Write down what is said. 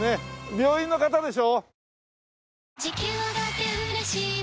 病院の方でしょ？